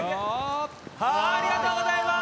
ありがとうございます。